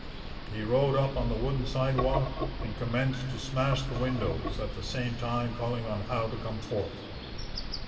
He rode up on the wooden sidewalk, and commenced to smash the windows, at the same time calling on Howe to come forth.